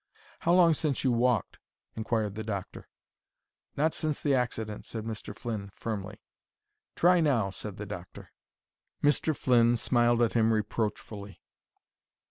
"How long since you walked?" inquired the doctor. "Not since the accident," said Mr. Flynn, firmly. "Try now," said the doctor. Mr. Flynn smiled at him reproachfully.